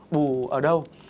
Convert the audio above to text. bù ở đâu